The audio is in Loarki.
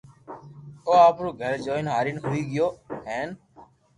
او آپرو گھر جوئين ھآرين ھوئي گيو ھين